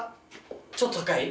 ちょっと高い？